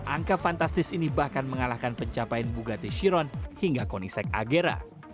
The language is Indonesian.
angka fantastis ini bahkan mengalahkan pencapaian bugaty shiron hingga konisek agera